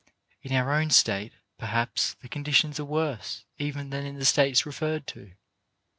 In our own state perhaps the conditions are worse even than in the states referred to.